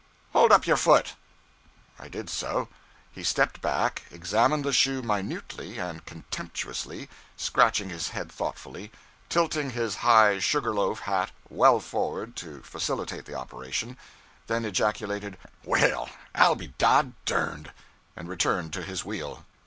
'Hold up your foot!' I did so. He stepped back, examined the shoe minutely and contemptuously, scratching his head thoughtfully, tilting his high sugar loaf hat well forward to facilitate the operation, then ejaculated, 'Well, I'll be dod derned!' and returned to his wheel.